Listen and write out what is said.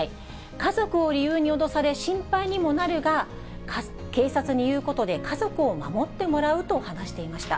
家族を理由に脅され、心配にもなるが、警察に言うことで、家族を守ってもらうと話していました。